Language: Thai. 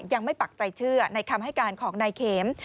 ปักใจเชื่อในคำให้การของนายเข็ม